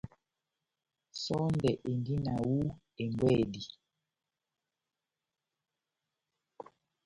Sɔndɛ endi na hú ɛmbwedi.